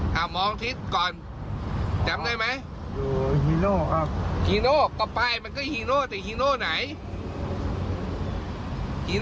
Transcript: หลับไหนยัง